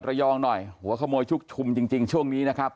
ระยองหน่อยหัวขโมยชุกชุมจริงช่วงนี้นะครับ